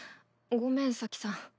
ごめんサキさん。